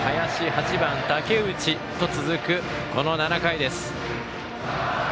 ８番、竹内と続く、この７回です。